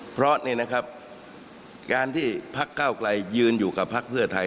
เพราะนี่นะครับการที่พักเก้าไกลยืนอยู่กับพักเพื่อไทย